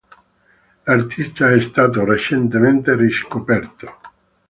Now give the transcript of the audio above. L'artista è stato recentemente riscoperto.